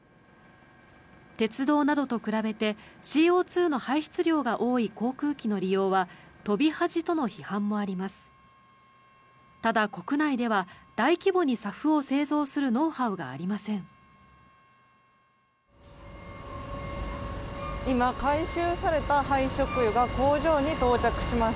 鉄道などと比べてＣＯ２の排出量が多い航空機の利用は飛び恥との批判もあります。